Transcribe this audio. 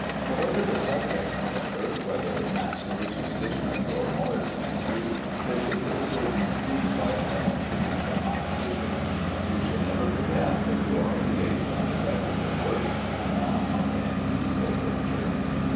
Whatever the subject, however, whether maskers, musicians, or morris dancers, there should be a certain frieze like symmetry in the composition. You should never forget that you are engaged on a decorative work, and not on an easel picture.